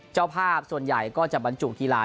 เจ้าภาพส่วนใหญ่ก็จะบรรจุกีฬา